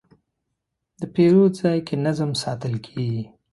د پیرود ځای کې نظم ساتل کېږي.